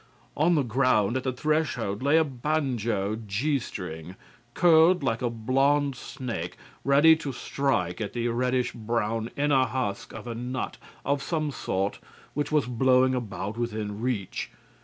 On the ground at the threshold lay a banjo G string, curled like a blond snake ready to strike at the reddish, brown inner husk of a nut of some sort which was blowing about within reach.